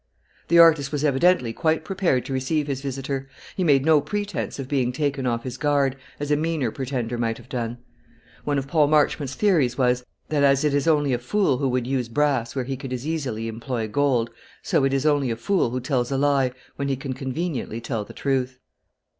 The artist was evidently quite prepared to receive his visitor. He made no pretence of being taken off his guard, as a meaner pretender might have done. One of Paul Marchmont's theories was, that as it is only a fool who would use brass where he could as easily employ gold, so it is only a fool who tells a lie when he can conveniently tell the truth.